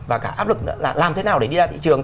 và cả áp lực làm thế nào để đi ra thị trường